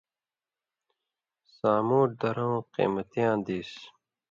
سامُوٹھ درؤں قَیمتیاں دِیس